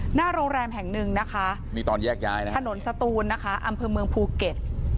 หน้าโรงแรมแห่งนึงถนนสตูลอำเภอเมืองภูเก็ต